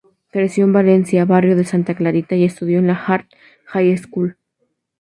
Creció en Valencia, barrio de Santa Clarita, y estudió en la Hart High School.